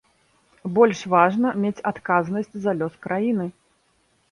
Больш важна мець адказнасць за лёс краіны.